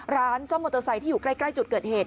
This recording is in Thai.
ร้านซ่อมมอเตอร์ไซค์ที่อยู่ใกล้จุดเกิดเหตุ